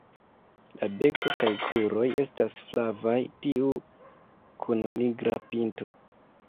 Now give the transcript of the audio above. La beko kaj kruroj estas flavaj, tiu kun nigra pinto.